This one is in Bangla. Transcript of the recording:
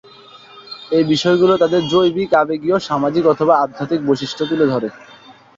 এই বিষয়গুলো তাদের জৈবিক, আবেগীয়, সামাজিক অথবা আধ্যাত্মিক বৈশিষ্ট্যকে তুলে ধরে।